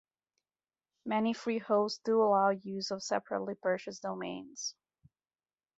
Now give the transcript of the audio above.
Many free hosts do allow use of separately-purchased domains.